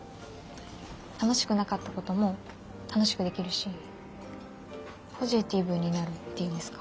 楽しくなかったことも楽しくできるしポジティブになるっていうんですか？